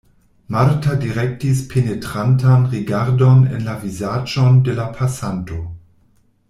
Marta direktis penetrantan rigardon en la vizaĝon de la pasanto.